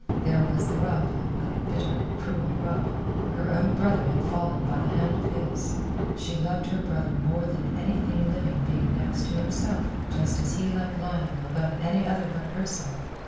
There was the rub, the bitter, cruel rub. Her own brother had fallen by the hand of his. She loved her brother more than any living being next to himself, just as he loved Lionel above any other but herself.